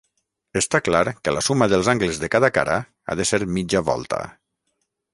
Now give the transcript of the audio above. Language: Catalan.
Està clar que la suma dels angles de cada cara ha de ser mitja volta.